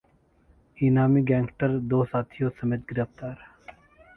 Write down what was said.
इनामी गैंगस्टर दो साथियों समेत गिरफ्तार